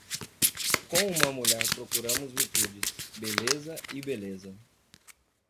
Com uma mulher procuramos virtudes, beleza e beleza.